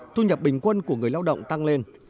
thu nhập bình quân của người lao động tăng lên